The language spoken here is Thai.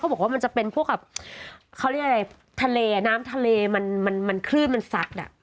บอกว่ามันจะเป็นพวกแบบเขาเรียกอะไรทะเลน้ำทะเลมันคลื่นมันซัดอ่ะ